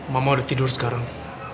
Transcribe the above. mama udah tidur sekarang